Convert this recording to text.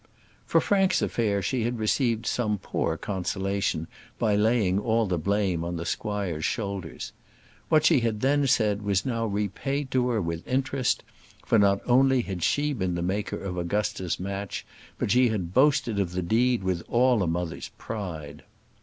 For Frank's affair she had received some poor consolation by laying all the blame on the squire's shoulders. What she had then said was now repaid to her with interest; for not only had she been the maker of Augusta's match, but she had boasted of the deed with all a mother's pride.